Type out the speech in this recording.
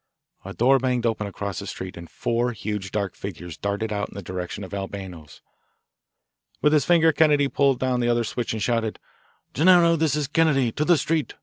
A door banged open across the street, and four huge dark figures darted out in the direction of Albano's. With his finger Kennedy pulled down the other switch and shouted: "Gennaro, this is Kennedy! To the street!